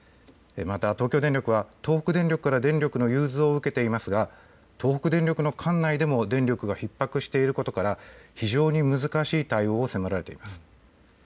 また東京電力は東北電力から電力の融通を受けていますが東北電力の管内でも電力がひっ迫していることから非常に難しい対応を迫られています。